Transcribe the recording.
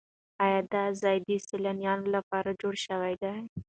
ایا دا ځای د سیلانیانو لپاره جوړ شوی دی؟